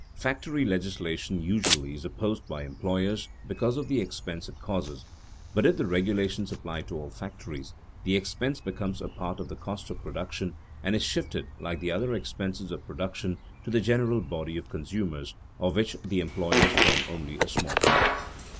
Factory legislation usually is opposed by employers because of the expense it causes; but if the regulations apply to all factories, the expense becomes a part of the cost of production and is shifted, like the other expenses of production, to the general body of consumers, of which the employers form only a small part.